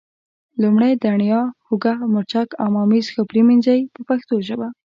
لومړی دڼیا، هوګه، مرچک او ممیز ښه پرېمنځئ په پښتو ژبه.